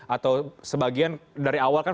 atau sebagian dari awal kan